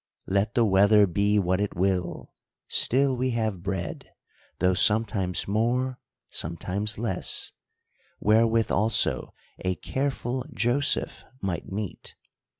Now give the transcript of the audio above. Let the weather be what it will, still we have bread ; though sometimes more, sometimes less ; wherewith also a careful Joseph might meet.